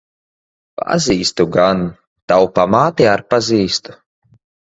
Pazīstu gan. Tavu pamāti ar pazīstu.